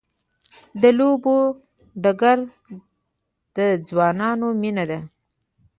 د لوبو ډګر د ځوانانو مینه ده.